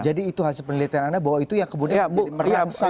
jadi itu hasil penelitian anda bahwa itu yang kemudian merangsang